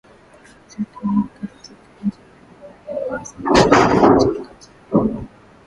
serikali Katika nchi mbalimbali lugha rasmi imetajwa katika katiba ya